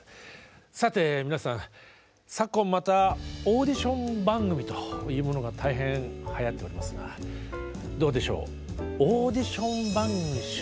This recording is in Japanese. さて皆さん昨今またオーディション番組というものが大変はやっておりますがどうでしょう。